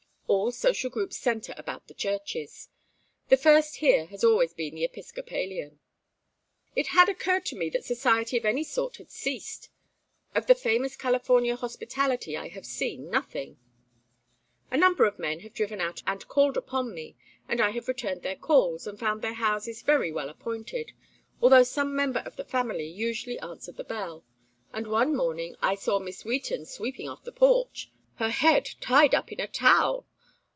All social groups centre about the churches. The first here has always been the Episcopalian." "It had occurred to me that society of any sort had ceased. Of the famous California hospitality I have seen nothing. A number of men have driven out and called upon me, and I have returned their calls, and found their houses very well appointed although some member of the family usually answered the bell; and one morning I saw Miss Wheaton sweeping off the porch, her head tied up in a towel.